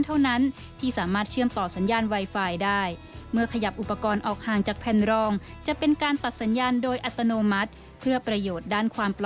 เท่านั้นที่สามารถเชื่อมต่อ